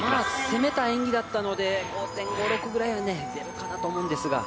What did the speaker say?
攻めた演技だったので、５．５、５．６ぐらいは出るかなと思うんですが。